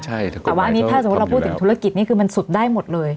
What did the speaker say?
แต่ว่าอันนี้ถ้าสมมุติเราพูดถึงธุรกิจนี่คือมันสุดได้หมดเลย